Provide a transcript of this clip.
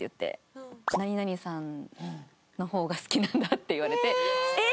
何々さんの方が好きなんだって言われてえっ！？